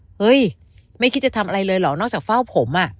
เฮ้ยไม่คิดจะทำอะไรเลยเหรอนอกจากเฝ้าผมอ่ะ